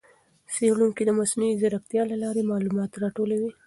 څېړونکي د مصنوعي ځېرکتیا له لارې معلومات راټولوي.